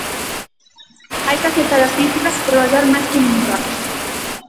Hai que aceptar as críticas e traballar máis que nunca.